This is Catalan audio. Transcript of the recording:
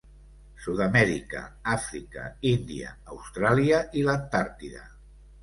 Sud Amèrica, Àfrica, Índia, Austràlia i l'Antàrtida.